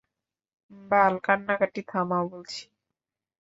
বাল কান্নাকাটি থামাও বলছি।